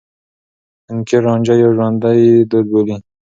حنکير رانجه يو ژوندي دود بولي.